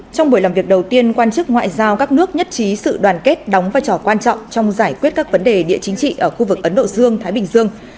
trong buổi làm việc đầu tiên quan chức ngoại giao các nước nhất trí sự đoàn kết đóng vai trò quan trọng trong giải quyết các vấn đề địa chính trị ở khu vực ấn độ dương thái bình dương